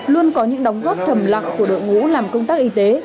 luôn có những đóng góp thầm lặng của đội ngũ làm công tác y tế